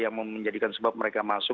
yang menjadikan sebab mereka masuk